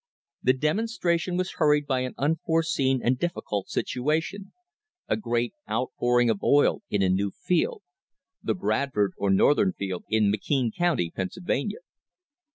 The demonstra tion was hurried by an unforeseen and difficult situation — a great outpouring of oil in a new field — the Bradford or Northern Field in McKean County, Pennsylvania.